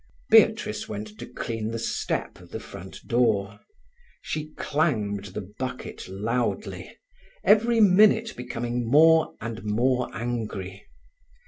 Beatrice went to clean the step of the front door. She clanged the bucket loudly, every minute becoming more and more angry.